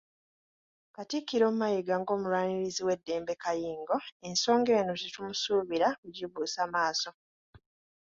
Katikkiro Mayiga ng'omulwanirizi w'eddembe kayingo, ensonga eno tetumusuubira kugibuusa maaso.